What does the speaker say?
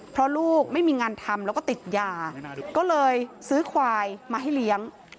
เพราะลูกไม่มีงานทำแล้วก็ติดยาก็เลยซื้อควายมาให้เลี้ยง